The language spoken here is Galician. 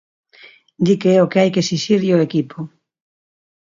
Di que é o que hai que esixirlle o equipo.